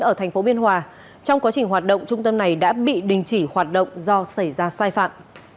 ở thành phố biên hòa trong quá trình hoạt động trung tâm này đã bị đình chỉ hoạt động do xảy ra sai phạm